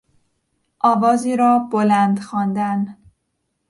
آوازی را بلند خواندن